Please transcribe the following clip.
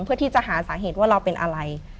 เพื่อที่จะหาสาเหตุว่าเราเป็นอะไร